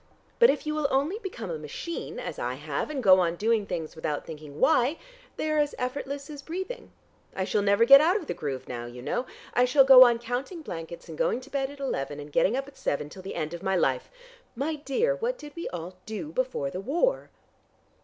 But if you will only become a machine, as I have, and go on doing things without thinking why, they are as effortless as breathing. I shall never get out of the groove now, you know: I shall go on counting blankets and going to bed at eleven, and getting up at seven, till the end of my life. My dear, what did we all do before the war?